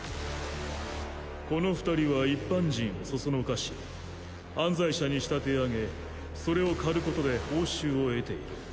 この２人は一般人をそそのかし犯罪者に仕立て上げそれを狩る事で報酬を得ている。